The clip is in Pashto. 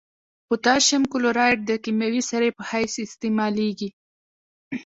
پوتاشیم کلورایډ د کیمیاوي سرې په حیث استعمالیږي.